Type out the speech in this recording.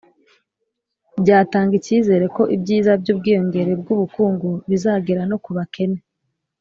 byatanga icyizere ko ibyiza by'ubwiyongere bw'ubukungu bizagera no ku bakene.